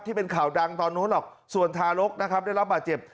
ที่เป็นข่าวดังตอนนู้นหรอกส่วนทารกนะครับได้รับบาดเจ็บ